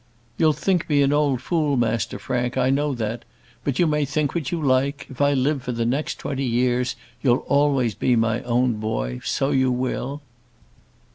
"You'll think me an old fool, Master Frank: I know that; but you may think what you like. If I live for the next twenty years you'll always be my own boy; so you will."